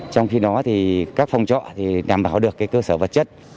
trong khi đó thì các phòng trọ thì đảm bảo được cái cơ sở vật chất